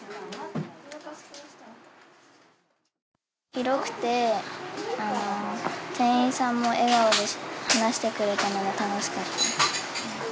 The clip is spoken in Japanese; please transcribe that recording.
広くて店員さんも笑顔で話してくれたのが楽しかったです。